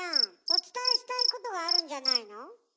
お伝えしたいことがあるんじゃないの？